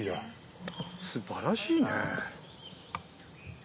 素晴らしいね。